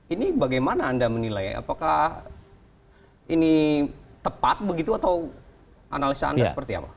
ini bagaimana anda menilai apakah ini tepat begitu atau analisa anda seperti apa